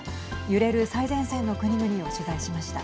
揺れる最前線の国々を取材しました。